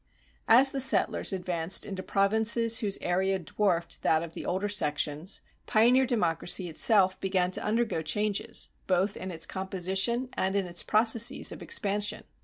As the settlers advanced into provinces whose area dwarfed that of the older sections, pioneer democracy itself began to undergo changes, both in its composition and in its processes of expansion.